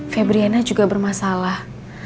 febriana juga bermasalah